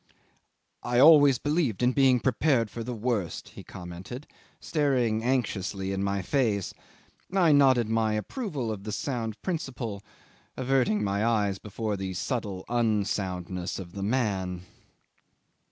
"I always believed in being prepared for the worst," he commented, staring anxiously in my face. I nodded my approval of the sound principle, averting my eyes before the subtle unsoundness of the man.